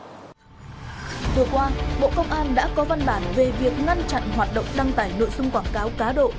thời gian qua bộ công an đã có văn bản về việc ngăn chặn hoạt động đăng tải nội dung quảng cáo cá độ